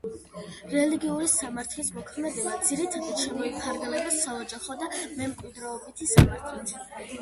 რელიგიური სამართლის მოქმედება, ძირითადად, შემოიფარგლება საოჯახო და მემკვიდრეობითი სამართლით.